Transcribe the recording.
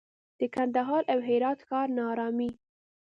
د کندهار او هرات ښار ناارامي